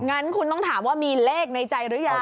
งั้นคุณต้องถามว่ามีเลขในใจหรือยัง